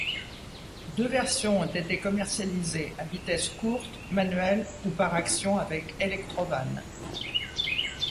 Deux versions ont été commercialisées à vitesse courte, manuelle ou par action avec électrovanne.